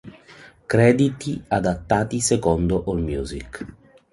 Crediti adattati secondo AllMusic.